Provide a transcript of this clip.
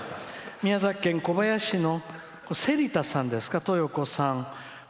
宮崎県小林市のせりたさんですかとよこさん。